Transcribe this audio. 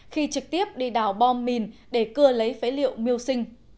khi trực tiếp đi đào bom mìn để cưa lấy vật liệu miêu sinh